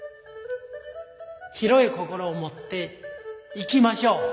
広い心をもっていきましょう。